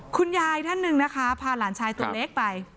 คุณยายท่านหนึ่งนะคะพาหลานชายตัวเล็กไป